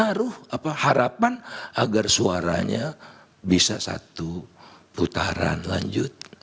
kalau begitu menaruh harapan agar suaranya bisa satu putaran lanjut